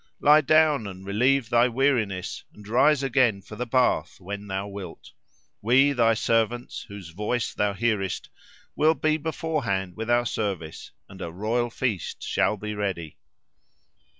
Lie down, and relieve thy weariness, and rise again for the bath when thou wilt. We thy servants, whose voice thou hearest, will be beforehand with our service, and a royal feast shall be ready."